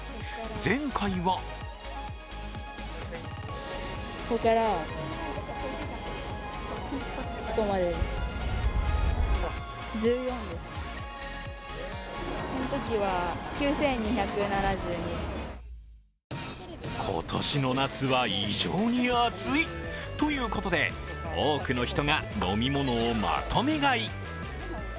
前回は今年の夏は異常に暑いということで、多くの人が飲み物をまとめ買い。